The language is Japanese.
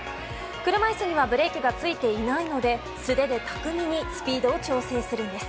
車いすにはブレーキがついていないので素手で巧みにスピードを調整するんです。